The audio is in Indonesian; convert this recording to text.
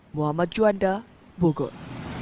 muhammad juanda bogor